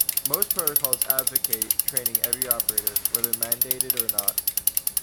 Most protocols advocate training every operator, whether mandated or not.